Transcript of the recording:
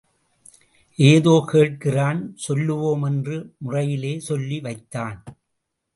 ஏதோ கேட்கிறான் சொல்லுவோம் என்ற முறையிலே சொல்லி வைத்தான்.